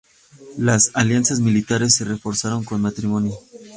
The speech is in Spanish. Las alianzas militares se reforzaron con matrimonios.